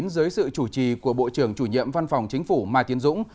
dưới sự chủ trì của bộ trưởng chủ nhiệm văn phòng chính phủ mai tiến dũng